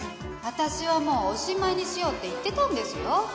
私はもうおしまいにしようって言ってたんですよ。